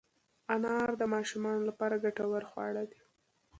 انار د ماشومانو لپاره ګټور خواړه دي.